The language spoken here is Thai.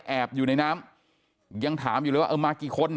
อยู่ในน้ำยังถามอยู่เลยว่าเออมากี่คน